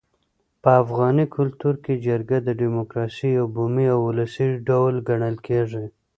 په افغاني کلتور کي جرګه د ډیموکراسۍ یو بومي او ولسي ډول ګڼل کيږي.